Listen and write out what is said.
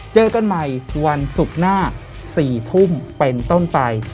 เจอกันใหม่วันศุกร์หน้า๔ทุ่มเป็นต้นไป